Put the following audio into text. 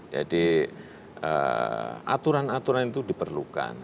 jadi aturan aturan itu diperlukan